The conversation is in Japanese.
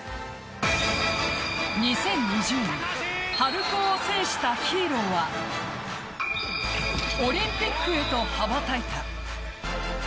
２０２０年春高を制したヒーローはオリンピックへと羽ばたいた。